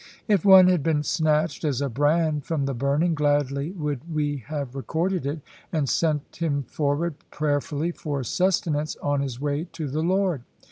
If one had been snatched as a brand from the burning, gladly would we have recorded it, and sent him forward prayerfully for sustenance on his way to the Lord.